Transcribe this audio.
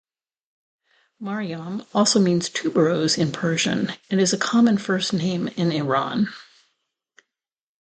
Maryam also means Tuberose in Persian and is a common first name in Iran.